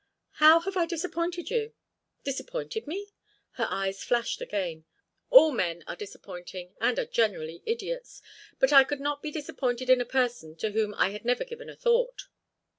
"How have I disappointed you?" "Disappointed me?" Her eyes flashed again. "All men are disappointing and are generally idiots, but I could not be disappointed in a person to whom I had never given a thought."